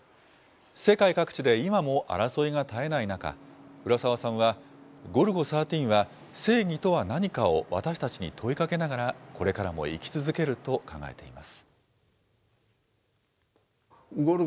世界各地で今も争いが絶えない中、浦沢さんは、ゴルゴ１３は正義とは何かを私たちに問いかけながら、これからも生き続けると考えています。